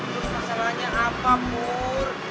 terus masalahnya apa pur